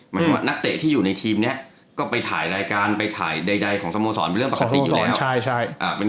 หมายถึงว่านักเตะที่อยู่ในทีมนี้ก็ไปถ่ายรายการไปถ่ายใดของสโมสรเป็นเรื่องปกติอยู่แล้ว